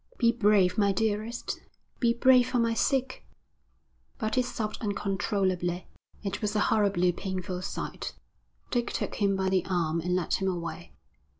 'Be brave, my dearest, be brave for my sake.' But he sobbed uncontrollably. It was a horribly painful sight. Dick took him by the arm and led him away.